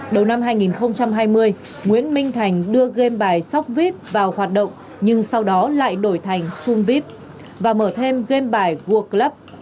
đầu năm hai nghìn hai mươi nguyễn minh thành đưa game bài sóc vít vào hoạt động nhưng sau đó lại đổi thành fumvit và mở thêm game bài world club